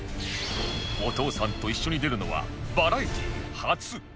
お父さんと一緒に出るのはバラエティー初